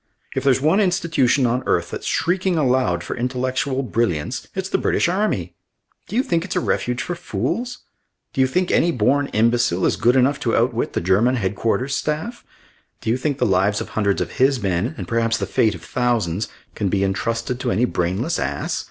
If there's one institution on earth that's shrieking aloud for intellectual brilliance, it's the British Army! Do you think it's a refuge for fools? Do you think any born imbecile is good enough to outwit the German Headquarters Staff? Do you think the lives of hundreds of his men and perhaps the fate of thousands can be entrusted to any brainless ass?